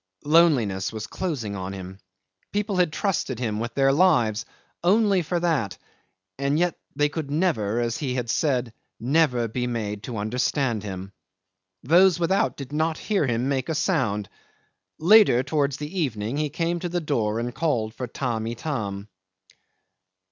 Loneliness was closing on him. People had trusted him with their lives only for that; and yet they could never, as he had said, never be made to understand him. Those without did not hear him make a sound. Later, towards the evening, he came to the door and called for Tamb' Itam.